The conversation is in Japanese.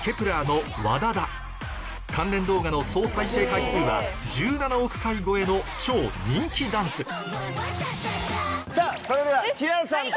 １ｅｒの『ＷＡＤＡＤＡ』関連動画の総再生回数は１７億回超えの超人気ダンスさぁそれでは。